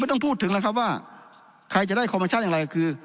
ไม่ต้องพูดถึงแล้วครับว่าใครจะได้อย่างไรคือ